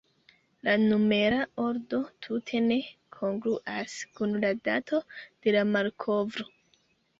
La numera ordo tute ne kongruas kun la dato de la malkovro.